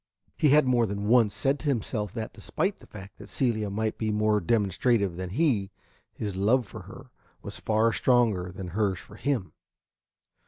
He had more than once said to himself that, despite the fact that Celia might be more demonstrative than he, his love for her was far stronger than hers for him.